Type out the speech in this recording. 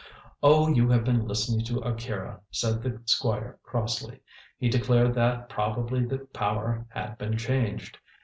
"Oh, you have been listening to Akira," said the Squire crossly. "He declared that probably the power had been changed.